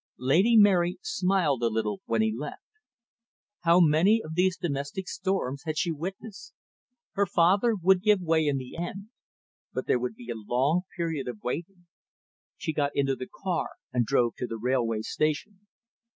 Lady Mary smiled a little when he left. How many of these domestic storms had she witnessed! Her father would give way in the end. But there would be a long period of waiting. She got into the car, and drove to the railway station.